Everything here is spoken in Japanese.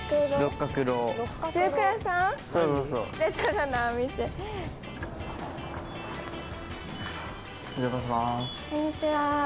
こんにちは。